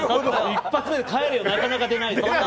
一発目で帰れよってなかなか出ない。